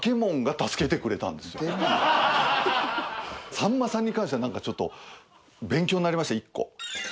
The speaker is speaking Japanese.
さんまさんに関してはなんかちょっと勉強になりました１個。